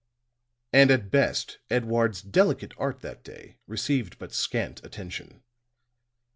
And at best Edouard's delicate art that day received but scant attention.